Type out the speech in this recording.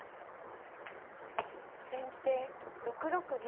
先手６六銀。